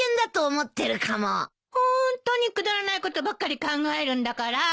ホントにくだらないことばかり考えるんだから。